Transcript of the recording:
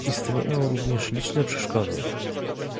Istnieją również liczne przeszkody